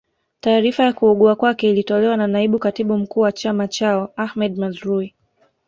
Taarifa ya kuugua kwake ilitolewa na naibu katibu mkuu wa chama chao Ahmed Mazrui